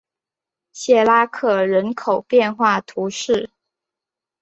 谢拉克人口变化图示